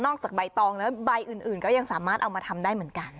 จากใบตองแล้วใบอื่นก็ยังสามารถเอามาทำได้เหมือนกัน